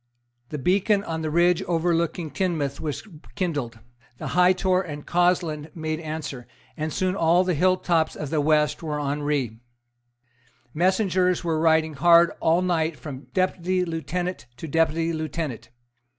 The beacon on the ridge overlooking Teignmouth was kindled; the High Tor and Causland made answer; and soon all the hill tops of the West were on re, Messengers were riding hard all night from Deputy Lieutenant to Deputy Lieutenant.